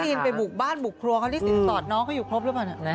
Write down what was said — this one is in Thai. อินไปบุกบ้านบุกครัวเขาได้สินสอดน้องเขาอยู่ครบหรือเปล่าเนี่ย